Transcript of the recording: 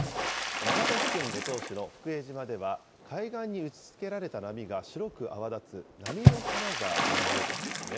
長崎県五島市の福江島では、海岸に打ちつけられた波が白く泡立つ、波の花が見られるんですね。